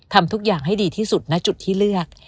ทำทุกอย่างให้ดีที่สุดณจุดที่เลือก